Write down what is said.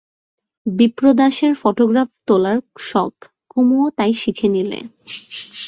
বিপ্রদাসের photograph তোলার শখ, কুমুও তাই শিখে নিলে।